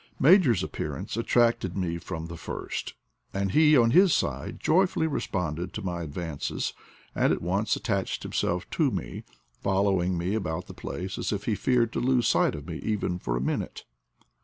Major's appearance attracted me from the first, and he, on his side, joyfully responded to my ad vances, and at once attached himself to me, follow ing me about the place as if he feared to lose sight of me even for a minute.